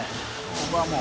ここはもう。